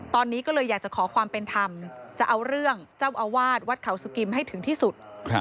ตอนนี้ก็เลยอยากจะขอความเป็นธรรมจะเอาเรื่องเจ้าอาวาสวัดเขาสุกิมให้ถึงที่สุด